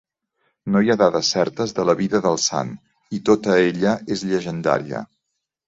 No hi ha dades certes de la vida del sant, i tota ella és llegendària.